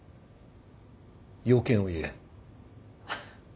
用件を言え。